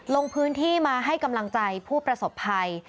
ลงพื้นที่มาให้กำลังใจผู้ประสบภัย